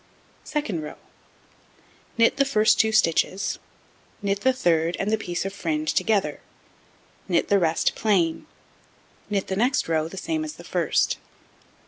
Second row: Knit the 2 first stitches, knit the third and the piece of fringe together, knit the rest plain, knit the next row the same as the first.